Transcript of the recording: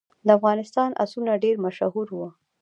د افغانستان آسونه ډیر مشهور وو